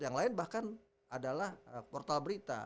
yang lain bahkan adalah portal berita